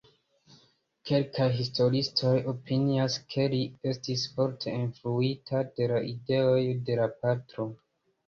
Kelkaj historiistoj opinias, ke li estis forte influita de la ideoj de la patro.